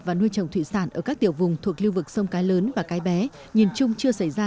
và nuôi trồng thủy sản ở các tiểu vùng thuộc lưu vực sông cái lớn và cái bé nhìn chung chưa xảy ra